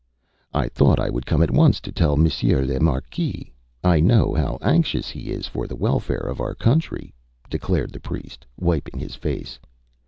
ÂI thought I would come at once to tell Monsieur le Marquis. I know how anxious he is for the welfare of our country,Â declared the priest, wiping his face.